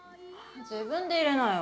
自分でいれなよ。